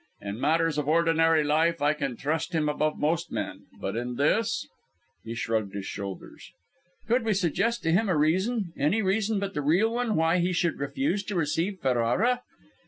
In matters of ordinary life I can trust him above most men, but in this " He shrugged his shoulders. "Could we suggest to him a reason any reason but the real one why he should refuse to receive Ferrara?"